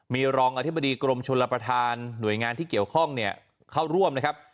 มีรองอธิบดีกรมชลประธานหน่วยงานที่เกี่ยวข้องเนี่ยเข้าร่วมนะครับ